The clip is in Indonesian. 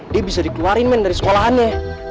dia bisa dikeluarin men dari sekolahannya